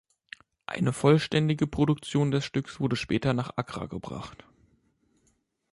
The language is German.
Eine vollständige Produktion des Stücks wurde später nach Accra gebracht.